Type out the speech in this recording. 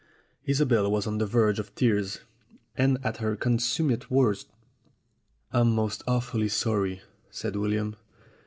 Isobel was on the verge of tears and at her consummate worst. "I'm most awfully sorry," said William.